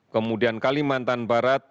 kemudian kalimantan barat